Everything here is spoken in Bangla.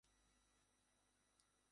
এটি যমুনা নদীর একটি শাখা।